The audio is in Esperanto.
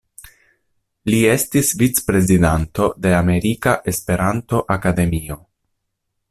Li estis vic-prezidanto de Amerika Esperanto-Akademio.